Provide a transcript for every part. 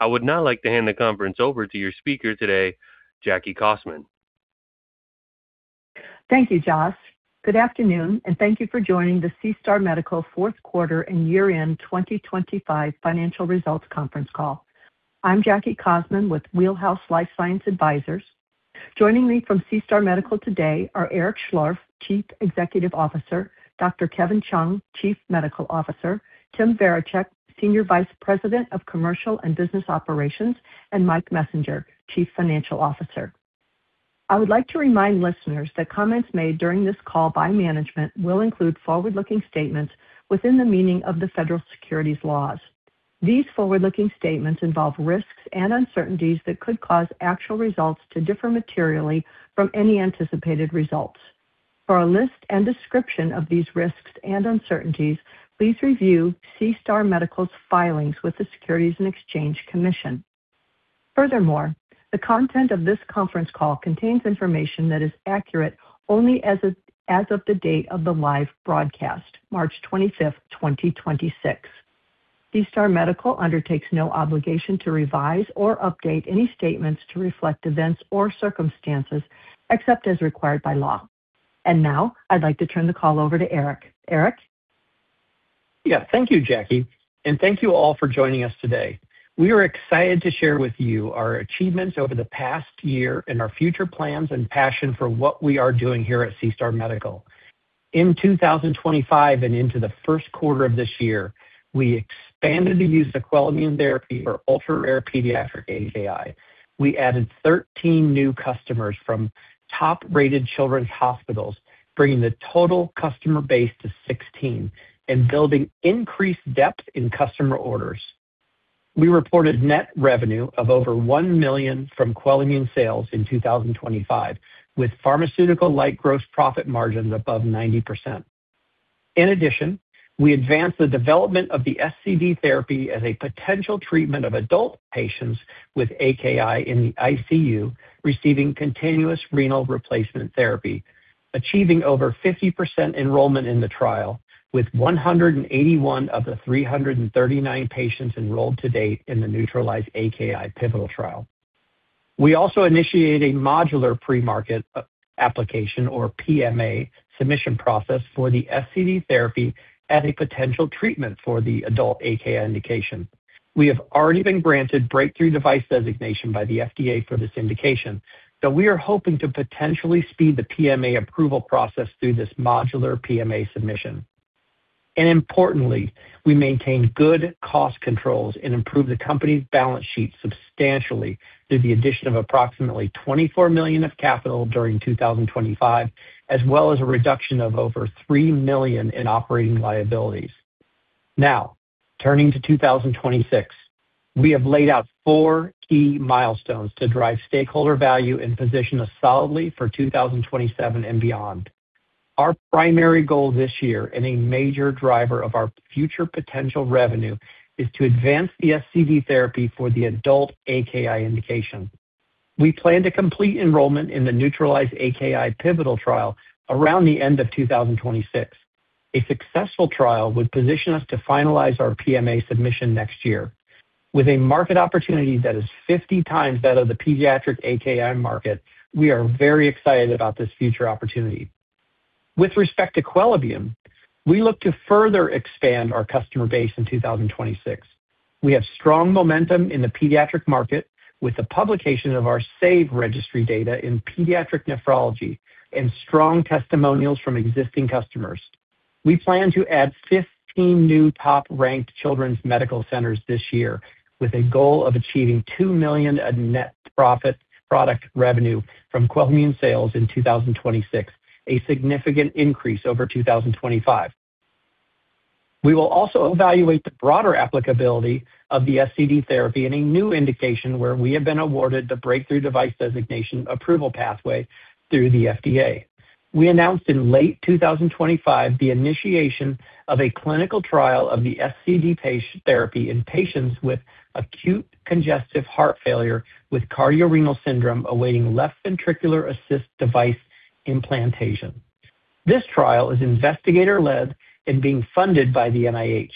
I would now like to hand the conference over to your speaker today, Jackie Cossmon. Thank you, Josh. Good afternoon, and thank you for joining the SeaStar Medical fourth quarter and year-end 2025 financial results conference call. I'm Jackie Cossmon with Wheelhouse Life Science Advisors. Joining me from SeaStar Medical today are Eric Schlorff, Chief Executive Officer, Dr. Kevin Chung, Chief Medical Officer, Tim Varacek, Senior Vice President of Commercial and Business Operations, and Mike Messinger, Chief Financial Officer. I would like to remind listeners that comments made during this call by management will include forward-looking statements within the meaning of the federal securities laws. These forward-looking statements involve risks and uncertainties that could cause actual results to differ materially from any anticipated results. For a list and description of these risks and uncertainties, please review SeaStar Medical's filings with the Securities and Exchange Commission. Furthermore, the content of this conference call contains information that is accurate only as of the date of the live broadcast, March 25th, 2026. SeaStar Medical undertakes no obligation to revise or update any statements to reflect events or circumstances except as required by law. Now I'd like to turn the call over to Eric. Eric? Yeah. Thank you, Jackie. Thank you all for joining us today. We are excited to share with you our achievements over the past year and our future plans and passion for what we are doing here at SeaStar Medical. In 2025 and into the first quarter of this year, we expanded the use of QUELIMMUNE therapy for ultra-rare pediatric AKI. We added 13 new customers from top-rated children's hospitals, bringing the total customer base to 16 and building increased depth in customer orders. We reported net revenue of over $1 million from QUELIMMUNE sales in 2025, with pharma-like gross profit margins above 90%. In addition, we advanced the development of the SCD therapy as a potential treatment of adult patients with AKI in the ICU receiving continuous renal replacement therapy, achieving over 50% enrollment in the trial, with 181 of the 339 patients enrolled to date in the NEUTRALIZE-AKI pivotal trial. We also initiate a modular pre-market application or PMA submission process for the SCD therapy as a potential treatment for the adult AKI indication. We have already been granted Breakthrough Device Designation by the FDA for this indication, so we are hoping to potentially speed the PMA approval process through this modular PMA submission. Importantly, we maintain good cost controls and improve the company's balance sheet substantially through the addition of approximately $24 million of capital during 2025, as well as a reduction of over $3 million in operating liabilities. Now, turning to 2026. We have laid out four key milestones to drive stakeholder value and position us solidly for 2027 and beyond. Our primary goal this year and a major driver of our future potential revenue is to advance the SCD therapy for the adult AKI indication. We plan to complete enrollment in the NEUTRALIZE-AKI pivotal trial around the end of 2026. A successful trial would position us to finalize our PMA submission next year. With a market opportunity that is 50 times that of the pediatric AKI market, we are very excited about this future opportunity. With respect to QUELIMMUNE, we look to further expand our customer base in 2026. We have strong momentum in the pediatric market with the publication of our SAVE registry data in Pediatric Nephrology and strong testimonials from existing customers. We plan to add 15 new top-ranked children's medical centers this year with a goal of achieving $2 million product revenue from QUELIMMUNE sales in 2026, a significant increase over 2025. We will also evaluate the broader applicability of the SCD therapy in a new indication where we have been awarded the Breakthrough Device Designation approval pathway through the FDA. We announced in late 2025 the initiation of a clinical trial of the SCD therapy in patients with acute congestive heart failure with cardiorenal syndrome awaiting left ventricular assist device implantation. This trial is investigator-led and being funded by the NIH.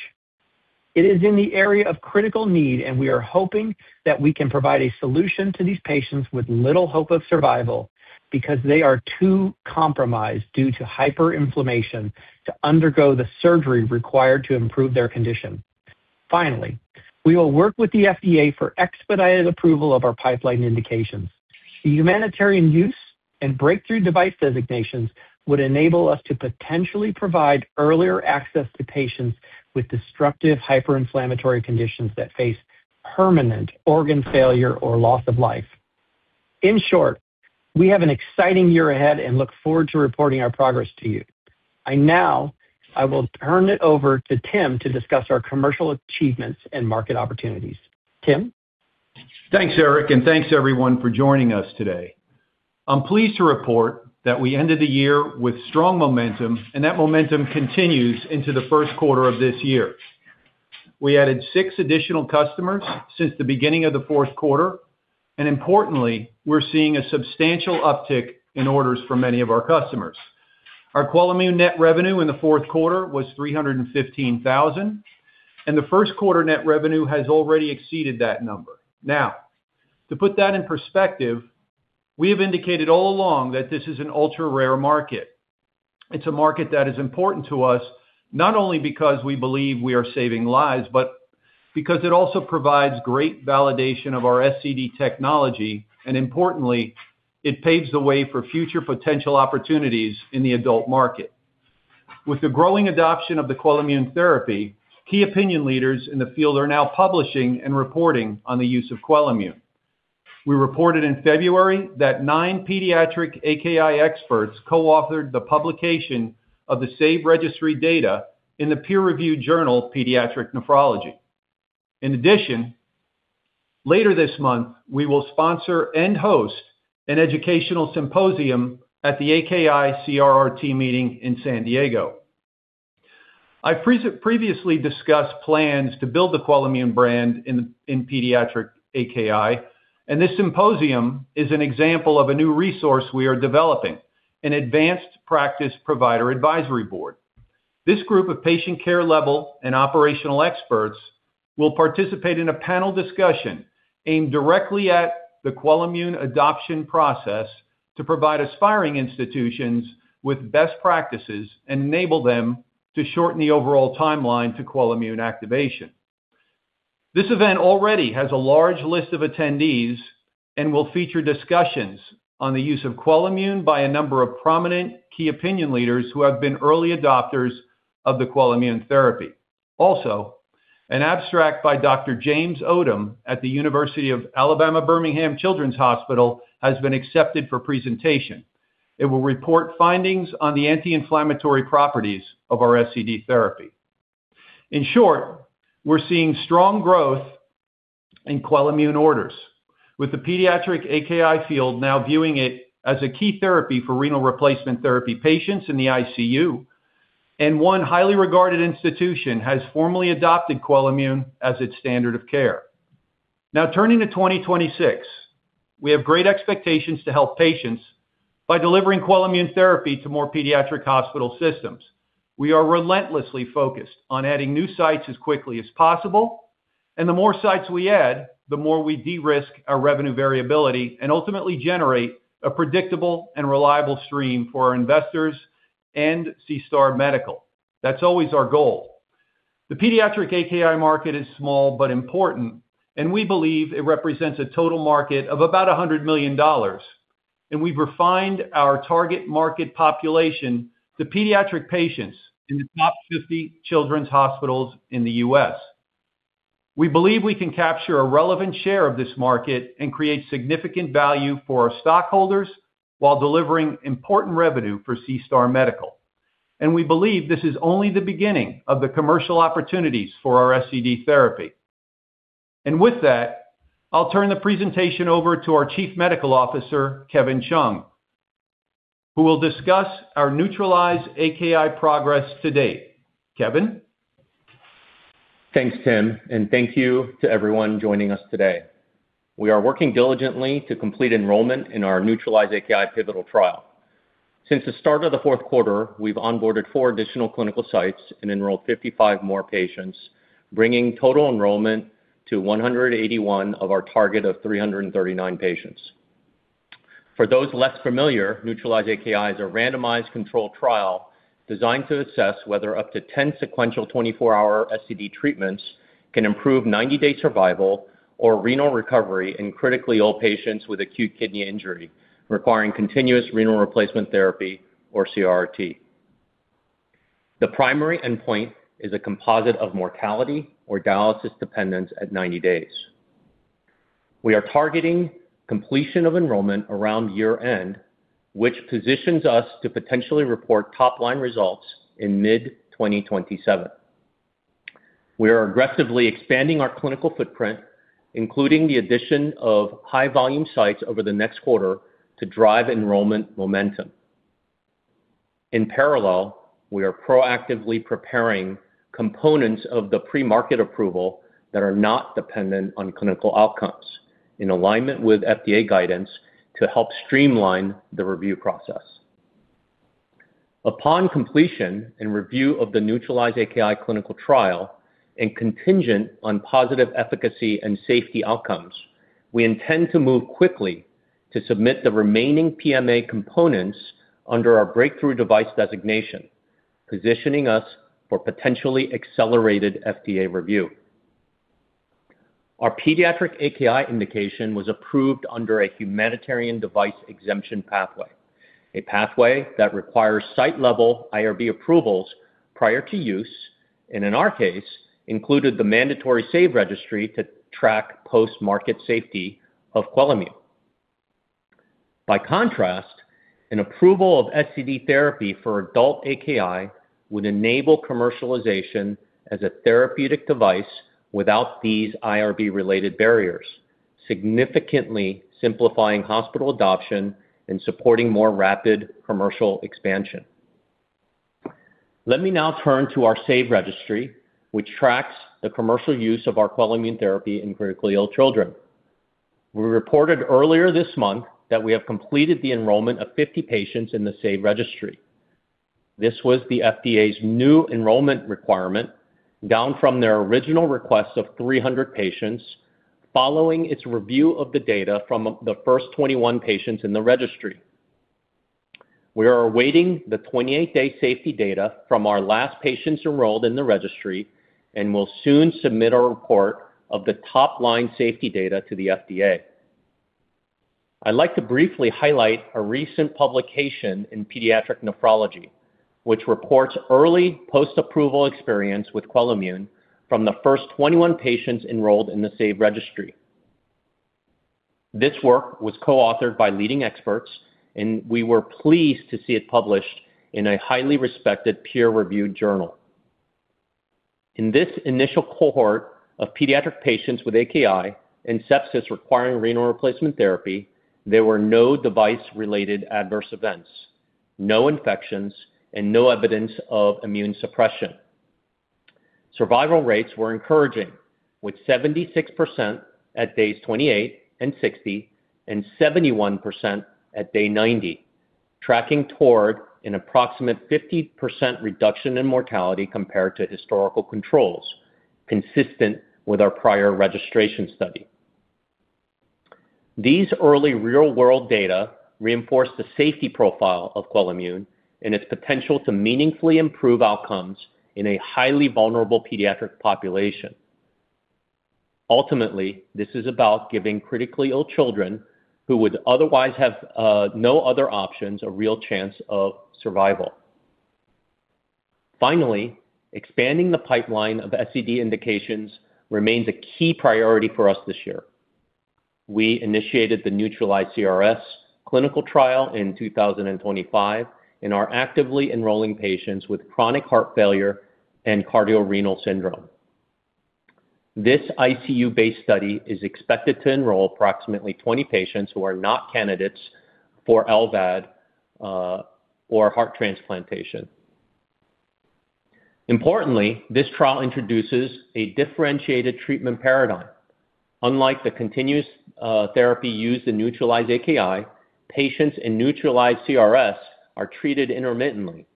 It is in the area of critical need, and we are hoping that we can provide a solution to these patients with little hope of survival because they are too compromised due to hyperinflammation to undergo the surgery required to improve their condition. Finally, we will work with the FDA for expedited approval of our pipeline indications. The Humanitarian Use and Breakthrough Device designations would enable us to potentially provide earlier access to patients with destructive hyperinflammatory conditions that face permanent organ failure or loss of life. In short, we have an exciting year ahead and look forward to reporting our progress to you. I will turn it over to Tim to discuss our commercial achievements and market opportunities. Tim? Thanks, Eric, and thanks everyone for joining us today. I'm pleased to report that we ended the year with strong momentum, and that momentum continues into the first quarter of this year. We added six additional customers since the beginning of the fourth quarter, and importantly, we're seeing a substantial uptick in orders from many of our customers. Our QUELIMMUNE net revenue in the fourth quarter was $315,000, and the first quarter net revenue has already exceeded that number. Now, to put that in perspective, we have indicated all along that this is an ultra-rare market. It's a market that is important to us, not only because we believe we are saving lives, but because it also provides great validation of our SCD technology, and importantly, it paves the way for future potential opportunities in the adult market. With the growing adoption of the QUELIMMUNE therapy, key opinion leaders in the field are now publishing and reporting on the use of QUELIMMUNE. We reported in February that nine pediatric AKI experts co-authored the publication of the SAVE Registry data in the peer-reviewed journal, Pediatric Nephrology. In addition, later this month, we will sponsor and host an educational symposium at the AKI & CRRT meeting in San Diego. I've previously discussed plans to build the QUELIMMUNE brand in pediatric AKI, and this symposium is an example of a new resource we are developing, an advanced practice provider advisory board. This group of patient care level and operational experts will participate in a panel discussion aimed directly at the QUELIMMUNE adoption process to provide aspiring institutions with best practices and enable them to shorten the overall timeline to QUELIMMUNE activation. This event already has a large list of attendees and will feature discussions on the use of QUELIMMUNE by a number of prominent key opinion leaders who have been early adopters of the QUELIMMUNE therapy. Also, an abstract by Dr. James Odom at the University of Alabama at Birmingham Children's of Alabama has been accepted for presentation. It will report findings on the anti-inflammatory properties of our SCD therapy. In short, we're seeing strong growth in QUELIMMUNE orders, with the pediatric AKI field now viewing it as a key therapy for renal replacement therapy patients in the ICU. One highly regarded institution has formally adopted QUELIMMUNE as its standard of care. Now turning to 2026. We have great expectations to help patients by delivering QUELIMMUNE therapy to more pediatric hospital systems. We are relentlessly focused on adding new sites as quickly as possible, and the more sites we add, the more we de-risk our revenue variability and ultimately generate a predictable and reliable stream for our investors and SeaStar Medical. That's always our goal. The pediatric AKI market is small but important, and we believe it represents a total market of about $100 million. We've refined our target market population to pediatric patients in the top 50 children's hospitals in the U.S. We believe we can capture a relevant share of this market and create significant value for our stockholders while delivering important revenue for SeaStar Medical. We believe this is only the beginning of the commercial opportunities for our SCD therapy. With that, I'll turn the presentation over to our Chief Medical Officer, Kevin Chung, who will discuss our NEUTRALIZE-AKI progress to date. Kevin? Thanks, Tim, and thank you to everyone joining us today. We are working diligently to complete enrollment in our NEUTRALIZE-AKI pivotal trial. Since the start of the fourth quarter, we've onboarded four additional clinical sites and enrolled 55 more patients, bringing total enrollment to 181 of our target of 339 patients. For those less familiar, NEUTRALIZE-AKI is a randomized controlled trial designed to assess whether up to 10 sequential 24-hour SCD treatments can improve 90-day survival or renal recovery in critically ill patients with acute kidney injury requiring continuous renal replacement therapy or CRRT. The primary endpoint is a composite of mortality or dialysis dependence at 90 days. We are targeting completion of enrollment around year-end, which positions us to potentially report top-line results in mid-2027. We are aggressively expanding our clinical footprint, including the addition of high-volume sites over the next quarter to drive enrollment momentum. In parallel, we are proactively preparing components of the pre-market approval that are not dependent on clinical outcomes in alignment with FDA guidance to help streamline the review process. Upon completion and review of the NEUTRALIZE-AKI clinical trial and contingent on positive efficacy and safety outcomes, we intend to move quickly to submit the remaining PMA components under our breakthrough device designation, positioning us for potentially accelerated FDA review. Our pediatric AKI indication was approved under a humanitarian device exemption pathway, a pathway that requires site-level IRB approvals prior to use, and in our case, included the mandatory SAVE Registry to track post-market safety of QUELIMMUNE. By contrast, an approval of SCD therapy for adult AKI would enable commercialization as a therapeutic device without these IRB-related barriers, significantly simplifying hospital adoption and supporting more rapid commercial expansion. Let me now turn to our SAVE registry, which tracks the commercial use of our QUELIMMUNE therapy in critically ill children. We reported earlier this month that we have completed the enrollment of 50 patients in the SAVE registry. This was the FDA's new enrollment requirement, down from their original request of 300 patients following its review of the data from the first 21 patients in the registry. We are awaiting the 28-day safety data from our last patients enrolled in the registry and will soon submit a report of the top-line safety data to the FDA. I'd like to briefly highlight a recent publication in Pediatric Nephrology, which reports early post-approval experience with QUELIMMUNE from the first 21 patients enrolled in the SAVE registry. This work was co-authored by leading experts, and we were pleased to see it published in a highly respected peer-reviewed journal. In this initial cohort of pediatric patients with AKI and sepsis requiring renal replacement therapy, there were no device-related adverse events, no infections, and no evidence of immune suppression. Survival rates were encouraging, with 76% at days 28 and 60 and 71% at day 90, tracking toward an approximate 50% reduction in mortality compared to historical controls, consistent with our prior registration study. These early real-world data reinforce the safety profile of QUELIMMUNE and its potential to meaningfully improve outcomes in a highly vulnerable pediatric population. Ultimately, this is about giving critically ill children who would otherwise have no other options a real chance of survival. Finally, expanding the pipeline of SCD indications remains a key priority for us this year. We initiated the NEUTRALIZE-CRS clinical trial in 2025 and are actively enrolling patients with chronic heart failure and cardiorenal syndrome. This ICU-based study is expected to enroll approximately 20 patients who are not candidates for LVAD or heart transplantation. Importantly, this trial introduces a differentiated treatment paradigm. Unlike the continuous therapy used in NEUTRALIZE-AKI, patients in NEUTRALIZE-CRS are treated intermittently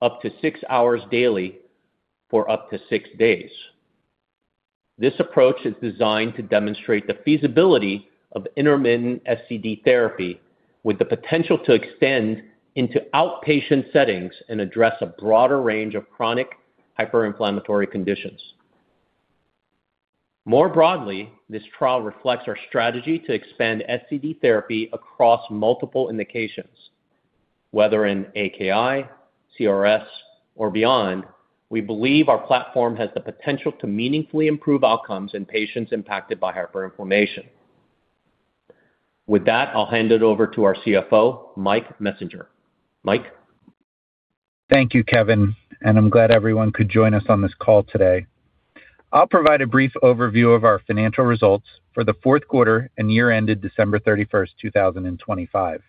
up to six hours daily for up to six days. This approach is designed to demonstrate the feasibility of intermittent SCD therapy with the potential to extend into outpatient settings and address a broader range of chronic hyperinflammatory conditions. More broadly, this trial reflects our strategy to expand SCD therapy across multiple indications. Whether in AKI, CRS, or beyond, we believe our platform has the potential to meaningfully improve outcomes in patients impacted by hyperinflammation. With that, I'll hand it over to our CFO, Mike Messinger. Mike? Thank you, Kevin, and I'm glad everyone could join us on this call today. I'll provide a brief overview of our financial results for the fourth quarter and year ended December 31st, 2025.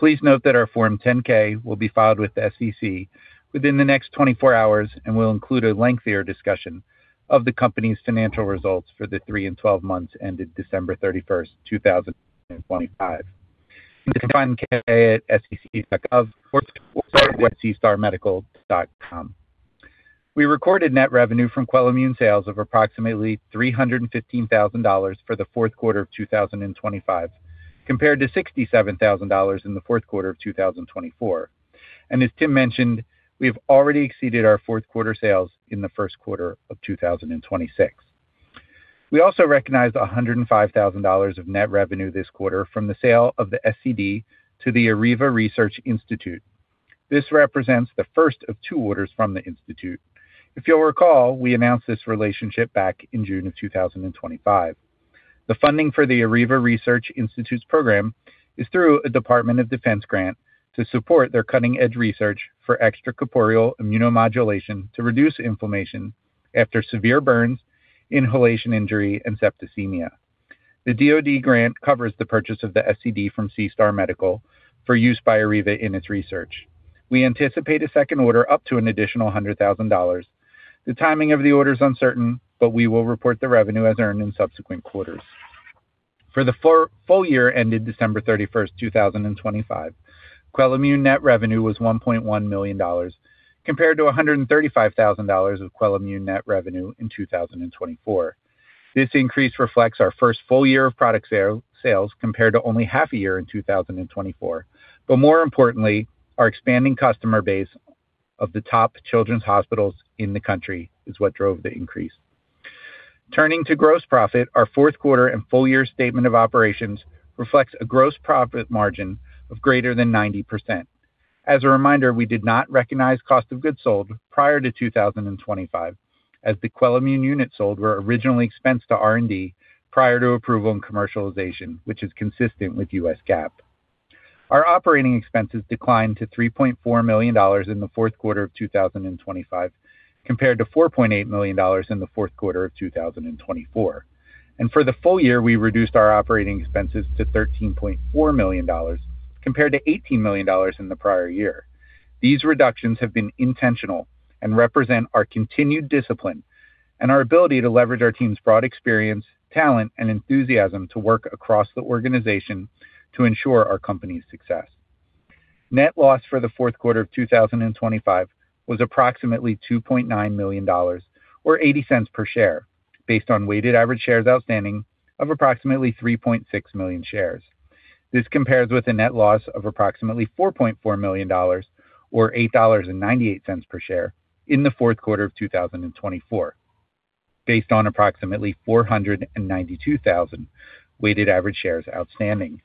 Please note that our Form 10-K will be filed with the SEC within the next 24 hours and will include a lengthier discussion of the company's financial results for the three and 12 months ended December 31st, 2025. You can find the Form 10-K at sec.gov or at seastarmedical.com. We recorded net revenue from QUELIMMUNE sales of approximately $315,000 for the fourth quarter of 2025, compared to $67,000 in the fourth quarter of 2024. As Tim mentioned, we have already exceeded our fourth quarter sales in the first quarter of 2026. We also recognized $105,000 of net revenue this quarter from the sale of the SCD to the AREVA Research Institute. This represents the first of two orders from the institute. If you'll recall, we announced this relationship back in June 2025. The funding for the AREVA Research Institute's program is through a Department of Defense grant to support their cutting-edge research for extracorporeal immunomodulation to reduce inflammation after severe burns, inhalation injury, and septicemia. The DoD grant covers the purchase of the SCD from SeaStar Medical for use by AREVA in its research. We anticipate a second order up to an additional $100,000. The timing of the order is uncertain, but we will report the revenue as earned in subsequent quarters. For the full year ended December 31st, 2025, QUELIMMUNE net revenue was $1.1 million, compared to $135,000 of QUELIMMUNE net revenue in 2024. This increase reflects our first full year of product sales compared to only half a year in 2024. More importantly, our expanding customer base of the top children's hospitals in the country is what drove the increase. Turning to gross profit, our fourth quarter and full year statement of operations reflects a gross profit margin of greater than 90%. As a reminder, we did not recognize cost of goods sold prior to 2025, as the QUELIMMUNE units sold were originally expensed to R&D prior to approval and commercialization, which is consistent with U.S. GAAP. Our operating expenses declined to $3.4 million in the fourth quarter of 2025, compared to $4.8 million in the fourth quarter of 2024. For the full year, we reduced our operating expenses to $13.4 million compared to $18 million in the prior year. These reductions have been intentional and represent our continued discipline and our ability to leverage our team's broad experience, talent, and enthusiasm to work across the organization to ensure our company's success. Net loss for the fourth quarter of 2025 was approximately $2.9 million, or $0.80 per share, based on weighted average shares outstanding of approximately 3.6 million shares. This compares with a net loss of approximately $4.4 million, or $8.98 per share in the fourth quarter of 2024, based on approximately 492,000 weighted average shares outstanding.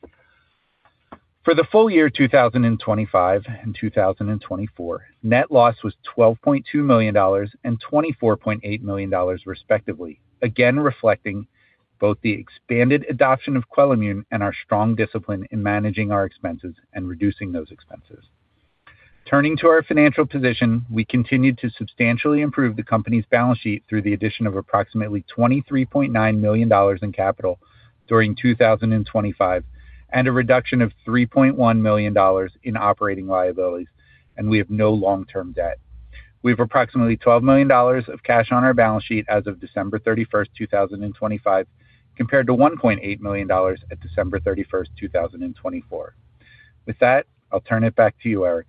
For the full year 2025 and 2024, net loss was $12.2 million and $24.8 million, respectively, again reflecting both the expanded adoption of QUELIMMUNE and our strong discipline in managing our expenses and reducing those expenses. Turning to our financial position, we continued to substantially improve the company's balance sheet through the addition of approximately $23.9 million in capital during 2025 and a reduction of $3.1 million in operating liabilities. We have no long-term debt. We have approximately $12 million of cash on our balance sheet as of December 31st, 2025, compared to $1.8 million at December 31st, 2024. With that, I'll turn it back to you, Eric.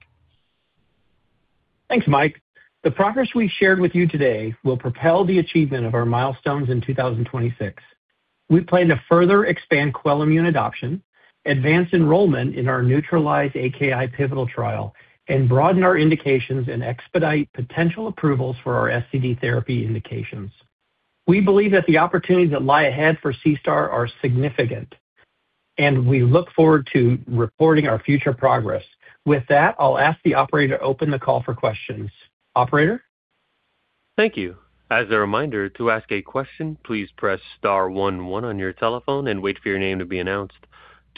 Thanks, Mike. The progress we shared with you today will propel the achievement of our milestones in 2026. We plan to further expand QUELIMMUNE adoption, advance enrollment in our NEUTRALIZE-AKI pivotal trial, and broaden our indications and expedite potential approvals for our SCD therapy indications. We believe that the opportunities that lie ahead for SeaStar are significant, and we look forward to reporting our future progress. With that, I'll ask the operator to open the call for questions. Operator? Thank you. As a reminder, to ask a question, please press star one one on your telephone and wait for your name to be announced.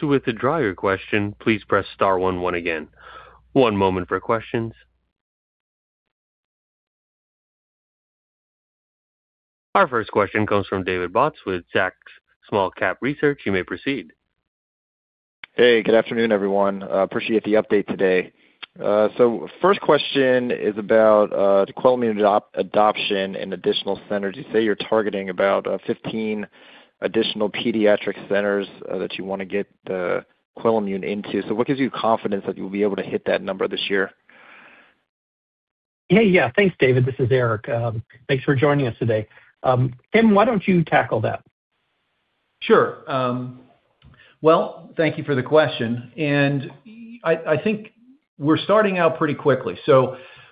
To withdraw your question, please press star one one again. One moment for questions. Our first question comes from David Bautz with Zacks Small Cap Research. You may proceed. Hey, good afternoon, everyone. Appreciate the update today. First question is about the QUELIMMUNE adoption in additional centers. You say you're targeting about 15 additional pediatric centers that you wanna get the QUELIMMUNE into. What gives you confidence that you'll be able to hit that number this year? Hey. Yeah, thanks, David. This is Eric. Thanks for joining us today. Tim, why don't you tackle that? Sure. Well, thank you for the question, and I think we're starting out pretty quickly.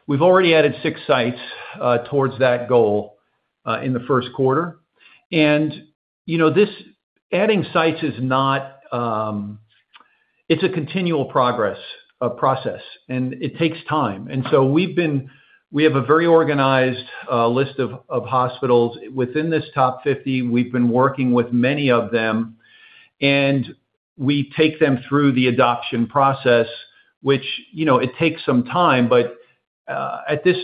We've already added six sites towards that goal in the first quarter. You know, this adding sites is not. It's a continual process, and it takes time. We have a very organized list of hospitals within this top 50. We've been working with many of them, and we take them through the adoption process, which, you know, it takes some time, but at this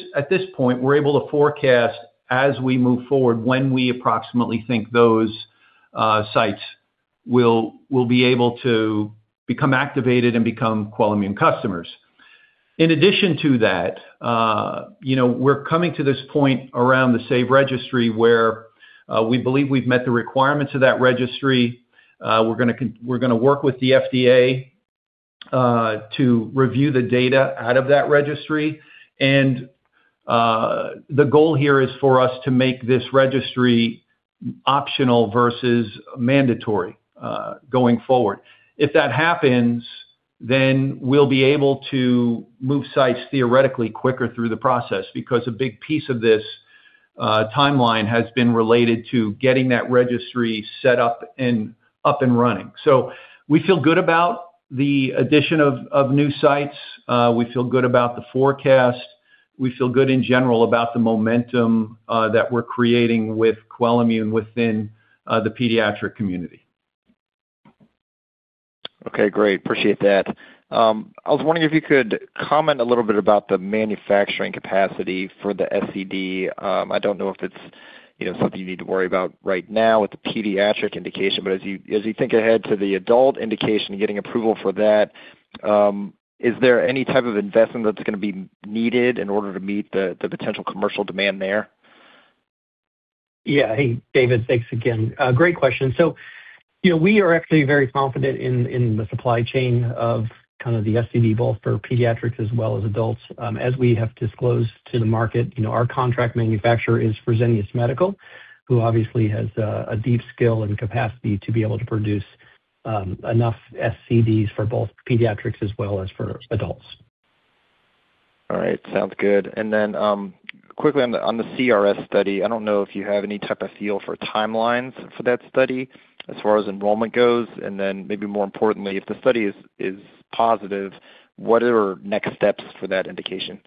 point, we're able to forecast as we move forward when we approximately think those sites will be able to become activated and become QUELIMMUNE customers. In addition to that, you know, we're coming to this point around the SAVE registry where we believe we've met the requirements of that registry. We're gonna work with the FDA to review the data out of that registry. The goal here is for us to make this registry optional versus mandatory going forward. If that happens, then we'll be able to move sites theoretically quicker through the process, because a big piece of this timeline has been related to getting that registry set up and running. We feel good about the addition of new sites. We feel good about the forecast. We feel good in general about the momentum that we're creating with QUELIMMUNE within the pediatric community. Okay. Great. Appreciate that. I was wondering if you could comment a little bit about the manufacturing capacity for the SCD. I don't know if it's, you know, something you need to worry about right now with the pediatric indication, but as you think ahead to the adult indication and getting approval for that, is there any type of investment that's gonna be needed in order to meet the potential commercial demand there? Yeah. Hey, David. Thanks again. Great question. You know, we are actually very confident in the supply chain of kind of the SCD, both for pediatrics as well as adults. As we have disclosed to the market, you know, our contract manufacturer is Fresenius Medical, who obviously has a deep skill and capacity to be able to produce enough SCDs for both pediatrics as well as for adults. All right. Sounds good. Quickly on the CRS study, I don't know if you have any type of feel for timelines for that study as far as enrollment goes. Maybe more importantly, if the study is positive, what are next steps for that indication?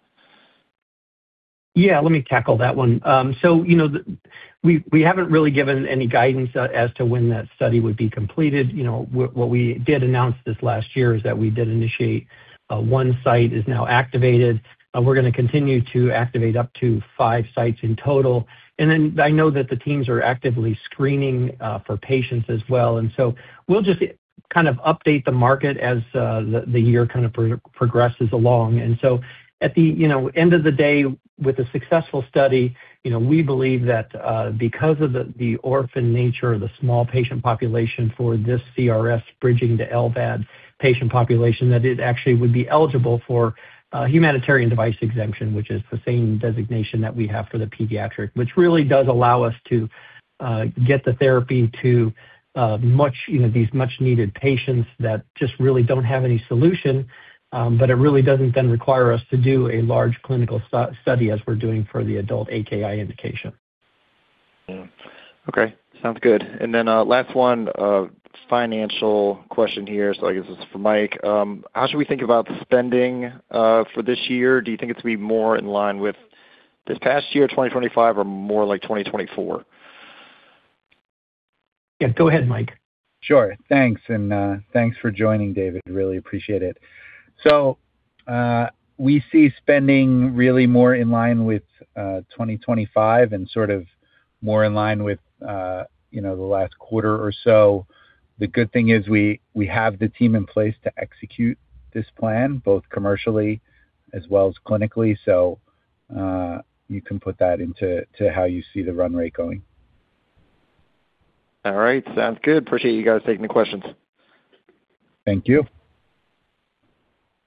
Yeah, let me tackle that one. So, you know, we haven't really given any guidance as to when that study would be completed. You know, what we did announce this last year is that we did initiate. One site is now activated. We're gonna continue to activate up to five sites in total. I know that the teams are actively screening for patients as well, and so we'll just kind of update the market as the year kind of progresses along. At the, you know, end of the day with a successful study, you know, we believe that, because of the orphan nature of the small patient population for this CRS bridging to LVAD patient population, that it actually would be eligible for a humanitarian device exemption, which is the same designation that we have for the pediatric, which really does allow us to, get the therapy to, much, you know, these much needed patients that just really don't have any solution. But it really doesn't then require us to do a large clinical study as we're doing for the adult AKI indication. Yeah. Okay. Sounds good. Last one, financial question here. I guess it's for Mike. How should we think about spending for this year? Do you think it's gonna be more in line with this past year, 2025 or more like 2024? Yeah. Go ahead, Mike. Sure. Thanks for joining, David. Really appreciate it. We see spending really more in line with 2025 and sort of more in line with, you know, the last quarter or so. The good thing is we have the team in place to execute this plan both commercially as well as clinically. You can put that into how you see the run rate going. All right. Sounds good. Appreciate you guys taking the questions. Thank you.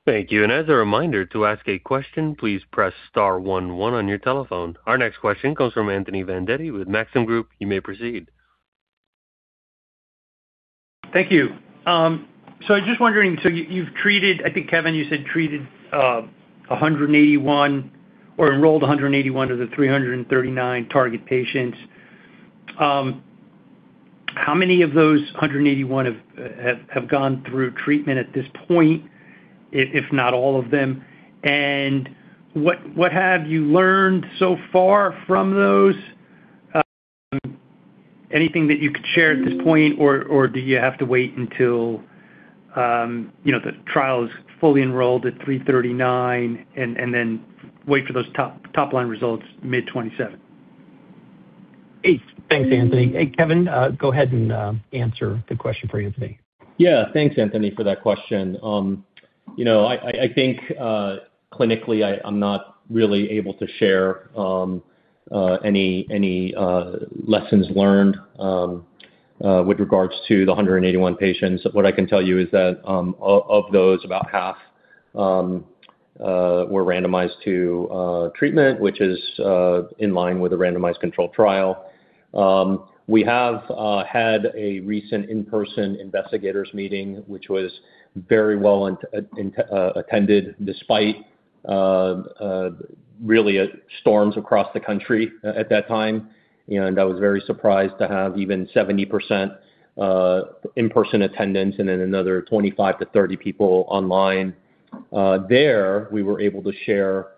Thank you. As a reminder, to ask a question, please press star one one on your telephone. Our next question comes from Anthony Vendetti with Maxim Group. You may proceed. Thank you. Just wondering, you've treated. I think, Kevin, you said treated, 181 or enrolled 181 of the 339 target patients. How many of those 181 have gone through treatment at this point, if not all of them? What have you learned so far from those? Anything that you could share at this point or do you have to wait until, you know, the trial is fully enrolled at 339 and then wait for those top line results mid-2027? Thanks, Anthony. Hey, Kevin, go ahead and answer the question for Anthony. Yeah. Thanks, Anthony, for that question. You know, I think clinically, I'm not really able to share any lessons learned with regards to the 181 patients. What I can tell you is that of those, about half were randomized to treatment, which is in line with a randomized controlled trial. We have had a recent in-person investigators meeting, which was very well attended despite real storms across the country at that time, you know. I was very surprised to have even 70% in-person attendance and then another 25-30 people online. We were able to share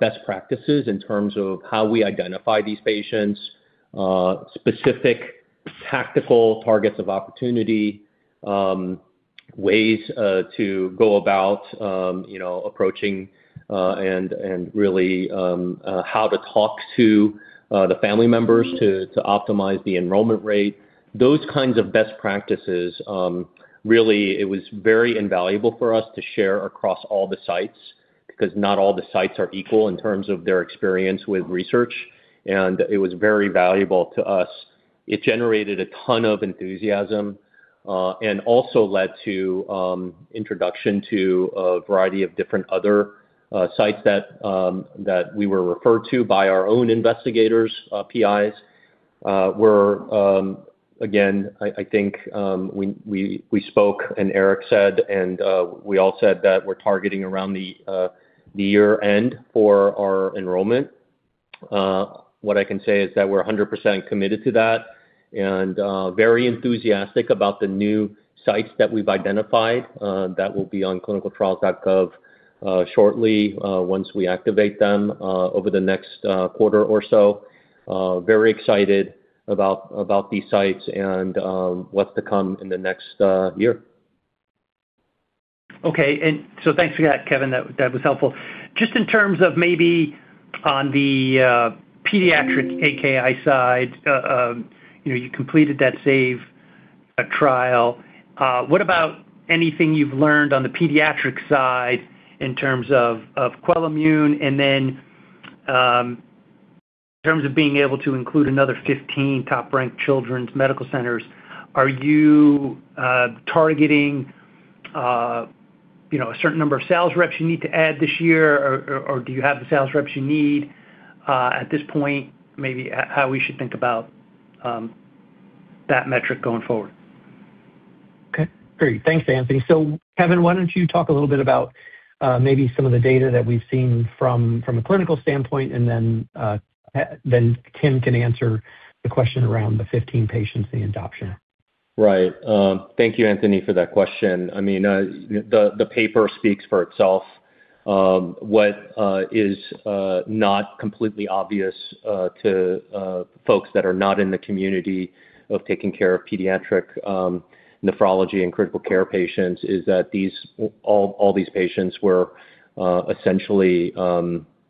best practices in terms of how we identify these patients, specific tactical targets of opportunity, ways to go about you know approaching and really how to talk to the family members to optimize the enrollment rate. Those kinds of best practices really it was very invaluable for us to share across all the sites because not all the sites are equal in terms of their experience with research, and it was very valuable to us. It generated a ton of enthusiasm and also led to introduction to a variety of different other sites that we were referred to by our own investigators, PIs. We're again. I think we spoke and Eric said and we all said that we're targeting around the year-end for our enrollment. What I can say is that we're 100% committed to that and very enthusiastic about the new sites that we've identified that will be on clinicaltrials.gov shortly, once we activate them over the next quarter or so. Very excited about these sites and what's to come in the next year. Okay. Thanks for that, Kevin. That was helpful. Just in terms of maybe on the pediatric AKI side, you know, you completed that SAVE trial. What about anything you've learned on the pediatric side in terms of QUELIMMUNE and then in terms of being able to include another 15 top-ranked children's medical centers, are you targeting you know a certain number of sales reps you need to add this year or do you have the sales reps you need at this point? Maybe how we should think about that metric going forward. Okay. Great. Thanks, Anthony. Kevin, why don't you talk a little bit about, maybe some of the data that we've seen from a clinical standpoint, and then Tim can answer the question around the 15 patients, the adoption. Right. Thank you, Anthony, for that question. I mean, the paper speaks for itself. What is not completely obvious to folks that are not in the community of taking care of pediatric nephrology and critical care patients is that all these patients were essentially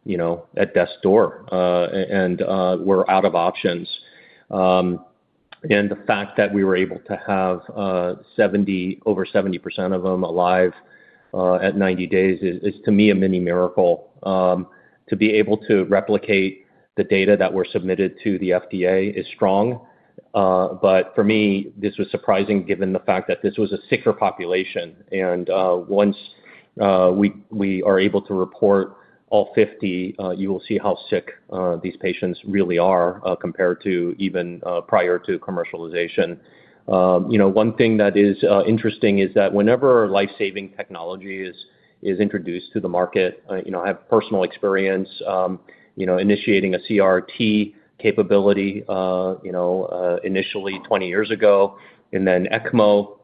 you know at death's door and were out of options. The fact that we were able to have over 70% of them alive at 90 days is to me a mini miracle. To be able to replicate the data that were submitted to the FDA is strong. For me, this was surprising given the fact that this was a sicker population. Once we are able to report all 50, you will see how sick these patients really are compared to even prior to commercialization. You know, one thing that is interesting is that whenever life-saving technology is introduced to the market, you know, I have personal experience initiating a CRRT capability initially 20 years ago and then ECMO.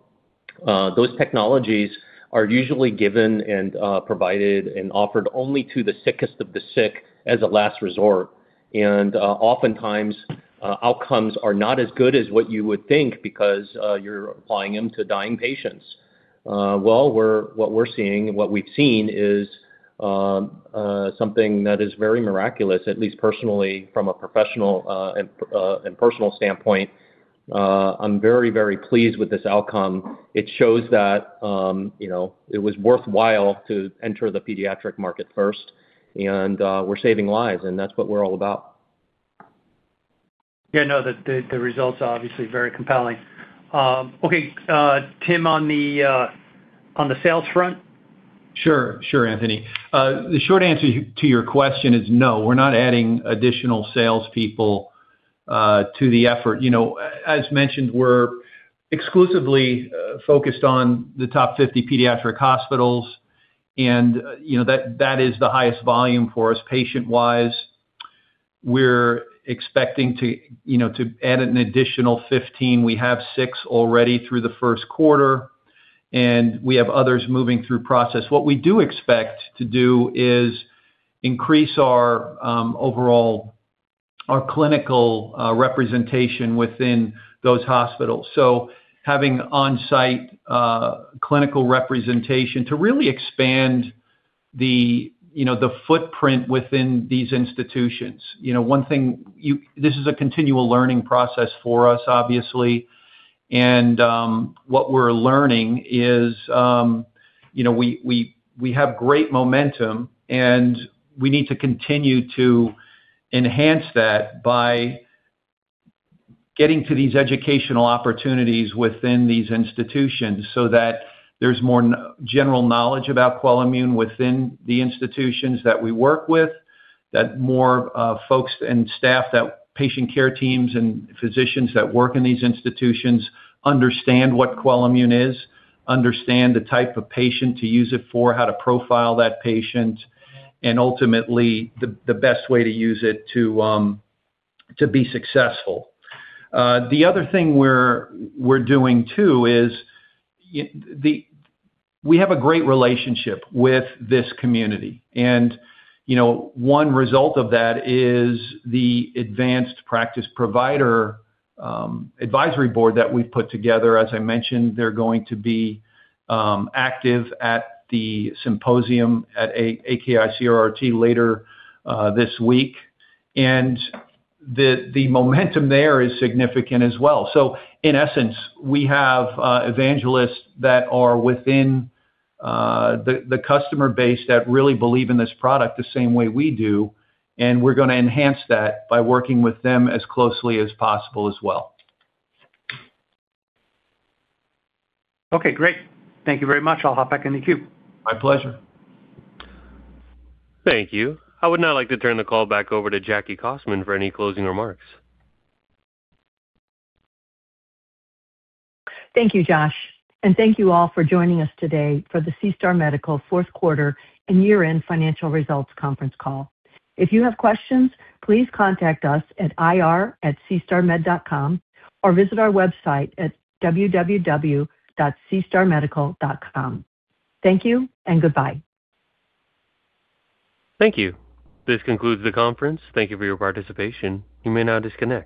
Those technologies are usually given and provided and offered only to the sickest of the sick as a last resort. Oftentimes, outcomes are not as good as what you would think because you're applying them to dying patients. What we're seeing and what we've seen is something that is very miraculous, at least personally from a professional and personal standpoint. I'm very, very pleased with this outcome. It shows that, you know, it was worthwhile to enter the pediatric market first and we're saving lives, and that's what we're all about. Yeah, no, the results are obviously very compelling. Okay, Tim, on the sales front. Sure, Anthony. The short answer to your question is no, we're not adding additional sales people to the effort. You know, as mentioned, we're exclusively focused on the top 50 pediatric hospitals and, you know, that is the highest volume for us patient-wise. We're expecting to, you know, add an additional 15. We have six already through the first quarter, and we have others moving through process. What we do expect to do is increase our overall, our clinical representation within those hospitals. Having on-site clinical representation to really expand the, you know, the footprint within these institutions. You know, one thing, this is a continual learning process for us, obviously. What we're learning is, you know, we have great momentum, and we need to continue to enhance that by getting to these educational opportunities within these institutions so that there's more general knowledge about QUELIMMUNE within the institutions that we work with, that more folks and staff, that patient care teams and physicians that work in these institutions understand what QUELIMMUNE is, understand the type of patient to use it for, how to profile that patient, and ultimately the best way to use it to be successful. The other thing we're doing too is we have a great relationship with this community. You know, one result of that is the advanced practice provider advisory board that we've put together. As I mentioned, they're going to be active at the symposium at AKI & CRRT later this week. The momentum there is significant as well. In essence, we have evangelists that are within the customer base that really believe in this product the same way we do, and we're gonna enhance that by working with them as closely as possible as well. Okay, great. Thank you very much. I'll hop back in the queue. My pleasure. Thank you. I would now like to turn the call back over to Jackie Cossmon for any closing remarks. Thank you, Josh, and thank you all for joining us today for the SeaStar Medical fourth quarter and year-end financial results conference call. If you have questions, please contact us at IR@SeaStarMed.com or visit our website at www.seastarmedical.com. Thank you and goodbye. Thank you. This concludes the conference. Thank you for your participation. You may now disconnect.